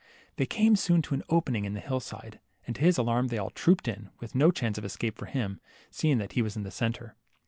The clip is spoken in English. They came soon to an opening in the hill side, and to his alarm they all trooped in, with no chance of escape for him, seeing that he was in the centre.